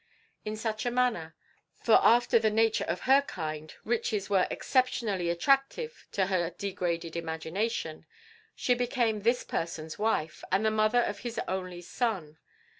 In such a manner for after the nature of her kind riches were exceptionally attractive to her degraded imagination she became this person's wife, and the mother of his only son.